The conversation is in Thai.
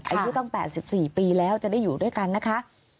อายุตั้ง๘๔ปีแล้วจะได้อยู่ด้วยกันนะคะ